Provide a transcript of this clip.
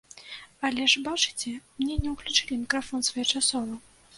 Але ж бачыце, мне не ўключылі мікрафон своечасова!